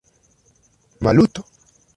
Maluto!